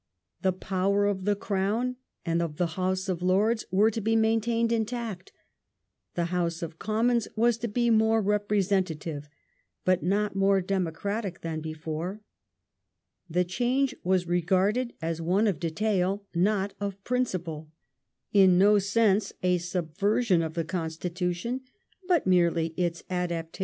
The power of the Crown and of the House of Lords were to be main tained intact ; the House of Commons was to be more representa tive, but not more democratic than before. The change was regarded as one of detail, not of principle ; in no sense a subversion of the Constitution, but merely its adaptation to new condi (^ Greville's opinion of William IV.